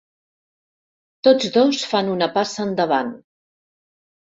Tots dos fan una passa endavant.